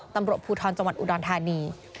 ตำรวจภูทรจังหวัดอุดรธานี